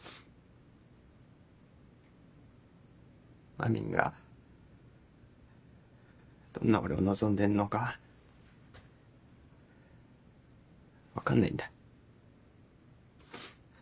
まみんがどんな俺を望んでんのか分かんないんだ。